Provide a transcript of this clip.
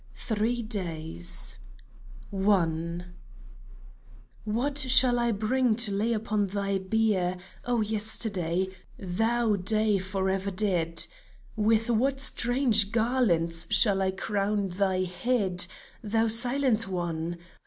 THREE DAYS What shall I bring to lay upon thy bier O Yesterday ! thou day forever dead ? With what strange garlands shall I crown thy head, Thou silent One?